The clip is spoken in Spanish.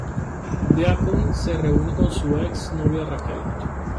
Deacon se reúne con su ex novia Raquel.